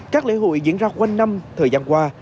các lễ hội diễn ra quanh năm thời gian qua